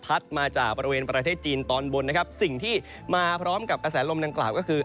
มาจากบริเวณประเทศจีนตอนบนนะครับสิ่งที่มาพร้อมกับกระแสลมดังกล่าวก็คือ